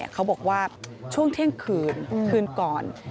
เขาบอกว่าช่วงเที่ยงคืนคืนก่อน